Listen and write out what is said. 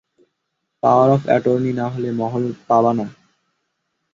Power of attorney না হলে, মহল পাবা না।